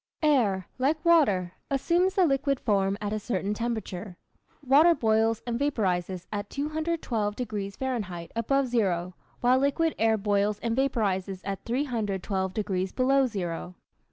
Air, like water, assumes the liquid form at a certain temperature. Water boils and vaporizes at 212 degrees Fahrenheit above zero, while liquid air boils and vaporizes at 312 degrees below zero.